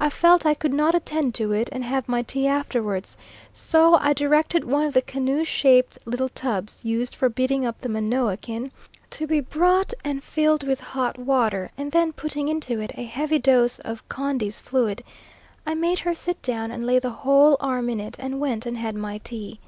I felt I could not attend to it, and have my tea afterwards, so I directed one of the canoe shaped little tubs, used for beating up the manioc in, to be brought and filled with hot water, and then putting into it a heavy dose of Condy's fluid, I made her sit down and lay the whole arm in it, and went and had my tea.